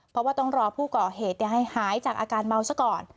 เพราะว่าต้องรอผู้ก่อเหตุให้หายจากอาการเมาซะก่อน